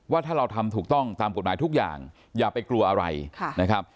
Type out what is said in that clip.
ว่าถ้าเราทำถูกต้องตามกฎหมายทุกอย่างอย่าไปกลัวอะไรนะครับ